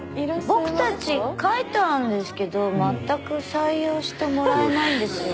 僕たち書いたんですけど全く採用してもらえないんですよ。